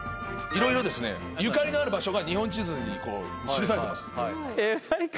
色々ですねゆかりのある場所が日本地図に記されてます。